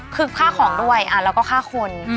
คือค่าของด้วยแล้วก็ฆ่าคน